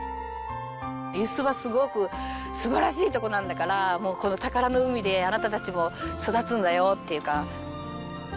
遊子はすごく素晴らしい所なんだからもうこの宝の海であなたたちも育つんだよっていうか。